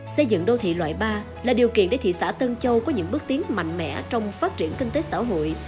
xây dựng đô thị loại ba là điều kiện để thị xã tân châu có những bước tiến mạnh mẽ trong phát triển kinh tế xã hội